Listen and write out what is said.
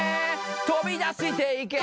「飛び出して行け！